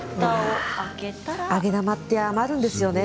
揚げ玉って余るんですよね。